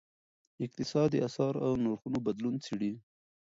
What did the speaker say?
اقتصاد د اسعارو نرخونو بدلون څیړي.